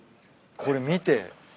これ見て。